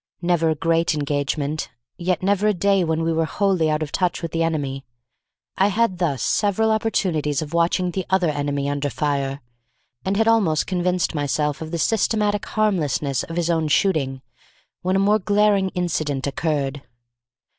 Never a great engagement, and yet never a day when we were wholly out of touch with the enemy. I had thus several opportunities of watching the other enemy under fire, and had almost convinced myself of the systematic harmlessness of his own shooting, when a more glaring incident occurred.